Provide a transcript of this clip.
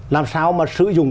làm sao mà sử dụng